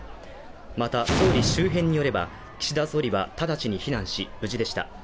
また総理周辺によれば、岸田総理は直ちに避難し無事でした。